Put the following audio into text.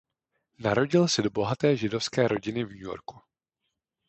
Narodil se do bohaté židovské rodiny v New Yorku.